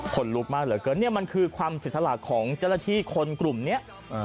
ขนลุบมากเลยเกินนี่มันคือความศิษยาหลักของเจ้าหน้าที่คนกลุ่มนี้